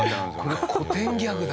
これ古典ギャグだ。